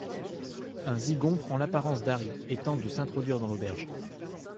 Un Zygon prend l'apparence d'Harry et tente de s'introduire dans l'auberge.